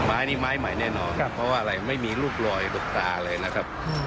ไม้นี่ไม้ใหม่แน่นอนเพราะว่าอะไรไม่มีลูกลอยลูกตาเลยนะครับ